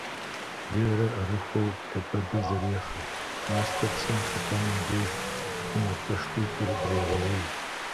Лерэ ӏэрыхуэу лъэпэдыр зэрехъэ, мастэр цым щыфӏэнэм деж, и напщӏэшхуитӏыр дрегъэуей.